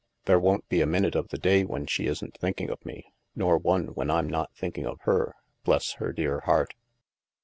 " There won't be a minute of the day when she isn't thinking of me, nor one when I'm not thinking of her, bless her dear heart